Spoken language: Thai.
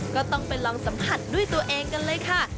ก็ต้องไปลองสัมผัสด้วยตัวเองกันเลยค่ะ